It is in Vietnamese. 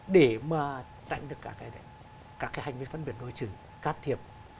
để mà tránh được cả cái hành vi phân biệt đối xử cát thiệp